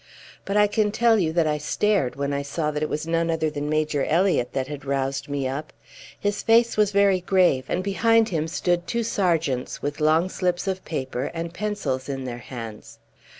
But I can tell you that I stared when I saw that it was none other than Major Elliott that had roused me up. His face was very grave, and behind him stood two sergeants, with long slips of paper and pencils in their hands.